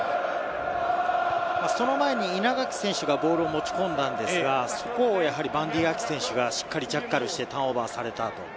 その前に稲垣選手がボールを持ち込んだんですが、そこをバンディー・アキ選手がしっかりジャッカルして、ターンオーバーされたと。